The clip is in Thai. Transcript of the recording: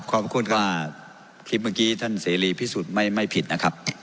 ขอบคุณค่ะคลิปเมื่อกี้ท่านเสรีพิสูจน์ไม่ผิดนะครับ